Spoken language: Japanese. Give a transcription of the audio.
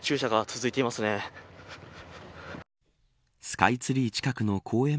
スカイツリー近くの公園